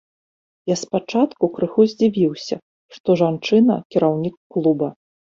Я спачатку крыху здзівіўся, што жанчына кіраўнік клуба.